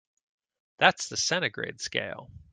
That's the centigrade scale.